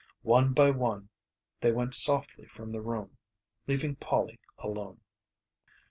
One by one they went softly from the room, leaving Polly alone.